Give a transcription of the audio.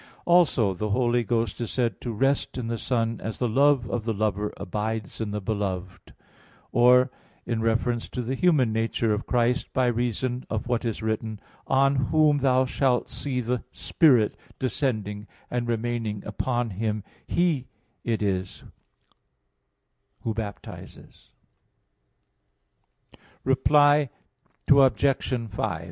Also the Holy Ghost is said to rest in the Son as the love of the lover abides in the beloved; or in reference to the human nature of Christ, by reason of what is written: "On whom thou shalt see the Spirit descending and remaining upon Him, He it is who baptizes" (John 1:33). Reply Obj.